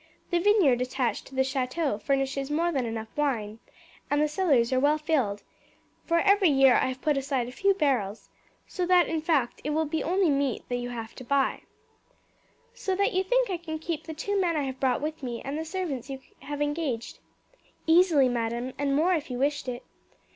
The vineyard attached to the chateau furnishes more than enough wine, and the cellars are well filled, for every year I have put aside a few barrels, so that in fact it will be only meat you have to buy." "So that you think I can keep the two men I have brought with me and the servants you have engaged?" "Easily, madam, and more if you wished it."